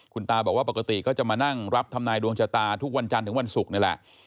คุณตาบอกว่าปกติก็จะมานั่งรับทำนายดวงชะตาทุกวันจันทร์ถึงวันศุกร์นี่แหละ